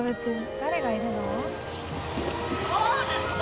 誰がいるの？